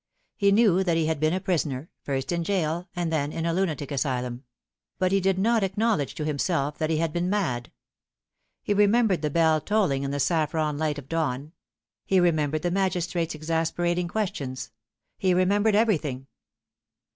He knew that he had been a prisoner, first in gaol and then in a lunatic asylum ; but he did not acknowledge to himself that he had been mad. He remembered the bell tolling in the saffron light of dawn ; he remembered the magistrate's exasperating ques tions ; he remembered everything.